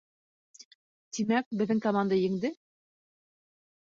Тимәк, беҙҙең команда еңде?